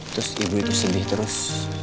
terus ibu itu sedih terus